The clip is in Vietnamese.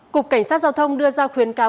cục cảnh sát giao thông đưa ra khuyến cáo